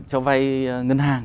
cho vai ngân hàng